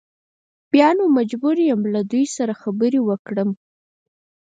بیا نو مجبور یم له دوی سره خبرې وکړم.